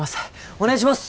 お願いします！